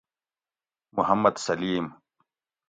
محمد سلیم